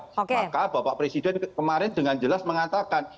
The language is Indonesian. maka bapak presiden kemarin dengan jelas mengatakan